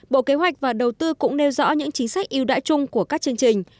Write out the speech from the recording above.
bộ kế hoạch và đầu tư cũng nêu rõ những chính sách yêu đãi chung của các chương trình